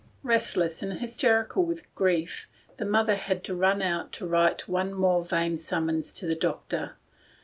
Restless and hysterical with grief, the mother had run out to write one more vain summons for the doctor.